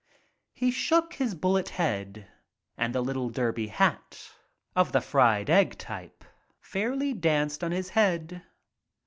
He shook his bullet head and the little "derby" hat, of the "fried egg 9 ' type, fairly danced on his head.